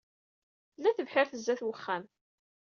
Tella tebḥirt sdat n wexxam.